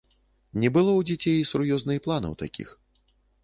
Не было ў дзяцей сур'ёзна і планаў такіх.